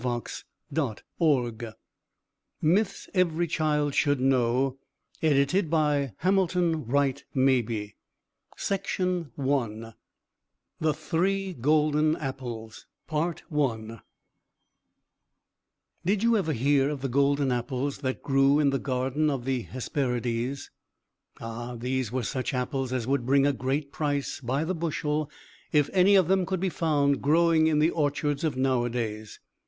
HAMILTON WRIGHT MABIE. Myths That Every Child Should Know CHAPTER I THE THREE GOLDEN APPLES Did you ever hear of the golden apples that grew in the garden of the Hesperides? Ah, those were such apples as would bring a great price, by the bushel, if any of them could be found growing in the orchards of nowadays!